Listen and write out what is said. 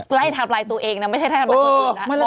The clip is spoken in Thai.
ไม่ใช่ให้ทำลายตัวเองนะไม่ใช่ให้ทำลายคนอื่นนะ